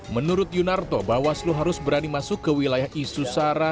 menurut yunarto bawaslu harus berani masuk ke wilayah isu sara